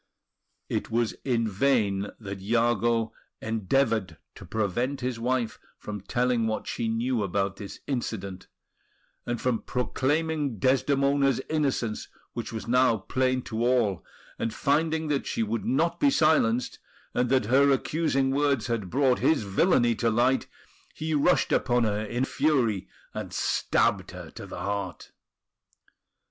It was in vain that Iago endeavoured to prevent his wife from telling what she knew about this incident, and from proclaiming Desdemona's innocence, which was now plain to all; and finding that she would not be silenced, and that her accusing words had brought his villainy to light, he rushed upon her in fury, and stabbed her to the heart.